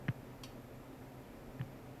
Hayajon bilan xatlarni qoʻlimga oldim.